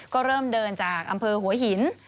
ก็เริ่มเดินจากอำเภอหัวหิน